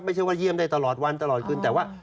ไม่ใช่ว่าเยี่ยมได้ตลอดวันตลอดคืนแต่ว่า